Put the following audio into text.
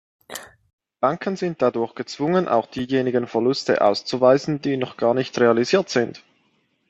Banken sind dadurch gezwungen, auch diejenigen Verluste auszuweisen, die noch gar nicht realisiert sind.